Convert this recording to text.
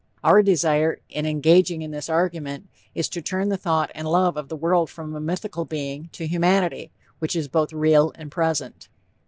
Our desire, in engaging in this argument, is to turn the thought and love of the world from a mythical being, to humanity, which is both real and present.